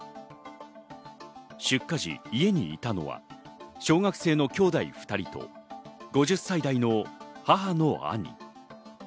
出火時、家にいたのは小学生の兄弟２人と５０歳代の母の兄。